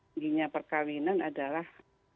inginnya perkawinan adalah